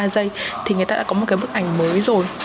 ba giây thì người ta đã có một cái bức ảnh mới rồi